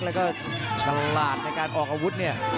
แล้วก็ฉลาดในการออกอาวุธเนี่ย